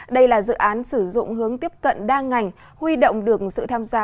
đây là dự án sử dụng hướng tiếp cận đa ngành huy động được sự tham gia